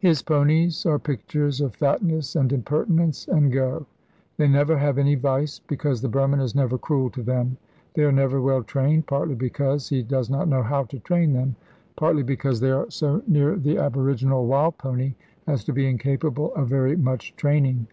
His ponies are pictures of fatness and impertinence and go. They never have any vice because the Burman is never cruel to them; they are never well trained, partly because he does not know how to train them, partly because they are so near the aboriginal wild pony as to be incapable of very much training.